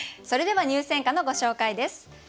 それでは入選歌のご紹介です。